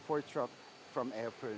dari eropa tahun depan